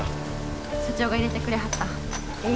社長が入れてくれはったええ